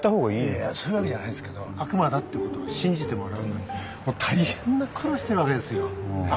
いやいやそういうわけじゃないですけど悪魔だってことを信じてもらうのにもう大変な苦労してるわけですよ。